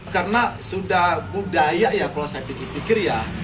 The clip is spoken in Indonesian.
karena sudah budaya ya kalau saya pikir pikir ya